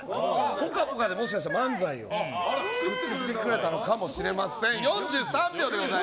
「ぽかぽか」でもしかしたら漫才を作ってくれたのかもしれません。